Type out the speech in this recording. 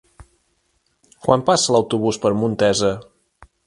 Quan passa l'autobús per Montesa?